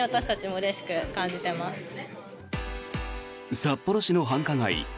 札幌市の繁華街